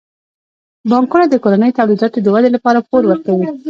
بانکونه د کورنیو تولیداتو د ودې لپاره پور ورکوي.